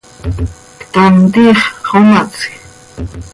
Ctam, tiix xomatsj.